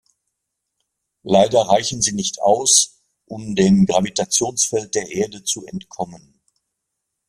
Leider reicht sie nicht aus, um dem Gravitationsfeld der Erde zu entkommen.